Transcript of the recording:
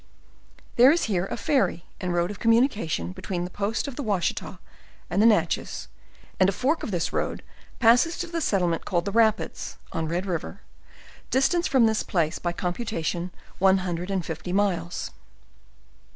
There is here a ferry and road of communication between the post of the Washita, and the Natchez, and a fork of this road passes to the settle ment called the rapids, on Red river, distance from this place by computation one hundred and fifty miles.